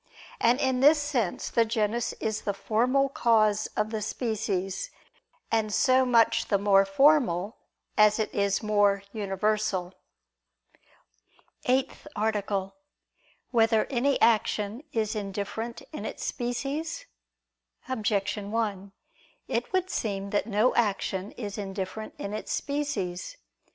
And in this sense the genus is the formal cause of the species; and so much the more formal, as it is more universal. ________________________ EIGHTH ARTICLE [I II, Q. 18, Art. 8] Whether Any Action Is Indifferent in Its Species? Objection 1: It would seem that no action is indifferent in its species.